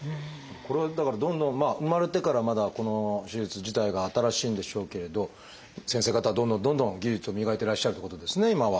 これはだからどんどん生まれてからまだこの手術自体が新しいんでしょうけれど先生方はどんどんどんどん技術を磨いてらっしゃるってことですね今は。